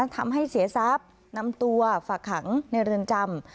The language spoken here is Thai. ทำให้เสียทรัพย์นำตัวฝากขังในเรือนจำ